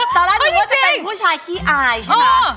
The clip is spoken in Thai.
ตอนแรกติรู้ว่ามีผู้ชายคี่อายใช่มั้ย